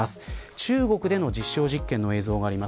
中国での実証実験の映像があります。